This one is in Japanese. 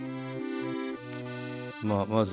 まあまず。